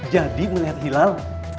jadi melihat hilal